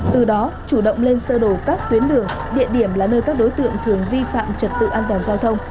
từ đó chủ động lên sơ đổ các tuyến đường địa điểm là nơi các đối tượng thường vi phạm trật tự an toàn giao thông